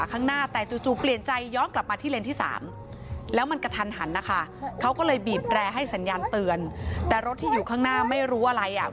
เขาก็เลยบีบแรร์ให้สัญญาณเตือนแต่รถที่อยู่ข้างหน้าไม่รู้อะไรอ่ะ